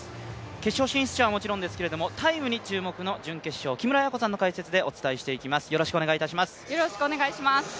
決勝進出者はもちろんですけれどもタイムに注目の準決勝、木村文子さんの解説でお伝えしてまいります。